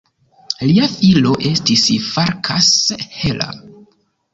Lia filo estis Farkas Heller.